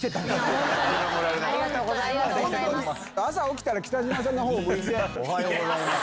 朝起きたら、北島さんのほうを向いて、おはようございます。